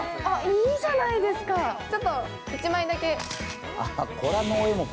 いいじゃないですか、ちょっと１枚だけ。